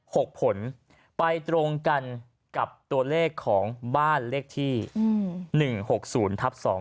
หกผลไปตรงกันกับตัวเลขของบ้านเลขที่อืมหนึ่งหกศูนย์ทับสอง